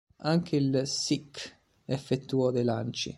Anche il "Sikh" effettuò dei lanci.